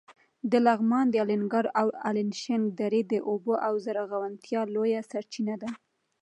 د لغمان د الینګار او الیشنګ درې د اوبو او زرغونتیا لویه سرچینه ده.